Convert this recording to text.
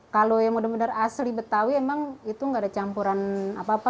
kalau yang benar benar asli betawi emang itu nggak ada campuran apa apa